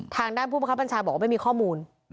ทางด้านผู้ประคับบัญชาบอกว่าไม่มีข้อมูล